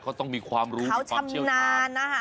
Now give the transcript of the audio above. เขาต้องมีความรู้มีความเชี่ยวชาติ